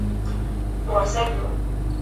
او هسي پيو.